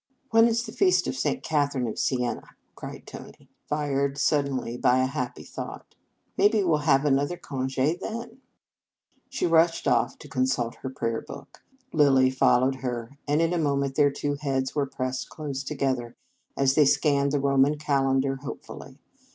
" When is the feast of St. Catherine of Siena? " cried Tony, fired suddenly by a happy thought. " Maybe we 11 have another conge then." 218 Reverend Mother s Feast She rushed off to consult her prayer book. Lilly followed her, and in a moment their two heads were pressed close together, as they scanned the Roman calendar hopefully.